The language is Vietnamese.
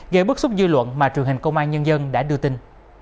gây bức xúc dư luận mà truyền hình công an nhân dân đã đưa tin